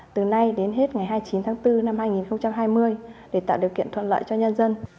từ nay đến hết ngày hai mươi chín tháng bốn năm hai nghìn hai mươi để tạo điều kiện thuận lợi cho nhân dân